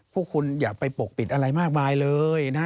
พวกคุณอย่าไปปกปิดอะไรมากมายเลยนะ